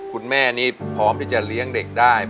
คุณแม่นี่พร้อมที่จะเลี้ยงเด็กได้